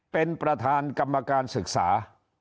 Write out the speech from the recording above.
เป็นประธานกรรมการศึกษา